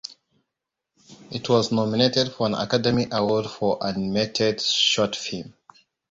It was nominated for an Academy Award for Animated Short Film.